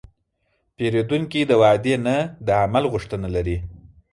پیرودونکی د وعدې نه، د عمل غوښتنه لري.